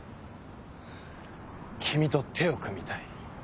君と手を組みたい。